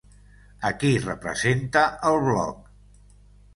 A qui representa el Bloc?